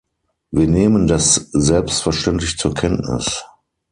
Wir nehmen das selbstverständlich zur Kenntnis.